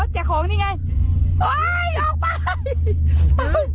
อ๋อแจกของนี่ไง